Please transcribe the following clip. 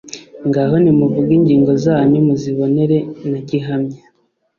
ngaho nimuvuge ingingo zanyu, muzibonere na gihamya ;